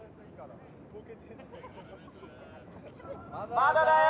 まだだよ！